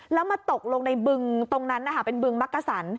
แล้วมาตกลงในบึงตรงนั้นนะคะเป็นบึงมักกะสัน